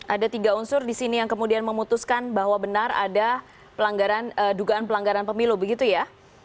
ada tiga unsur di sini yang kemudian memutuskan bahwa benar ada dugaan pelanggaran pemilu begitu ya